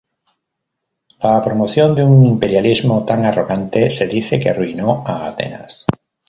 La promoción de un imperialismo tan arrogante se dice que arruinó a Atenas.